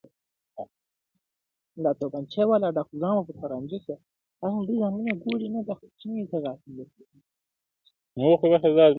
زوی او لور به یې نهر ورته پراته وه٫